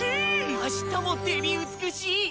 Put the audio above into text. あしたもデビ美しい！